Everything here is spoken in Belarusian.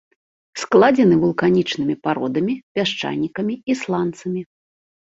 Складзены вулканічнымі пародамі, пясчанікамі і сланцамі.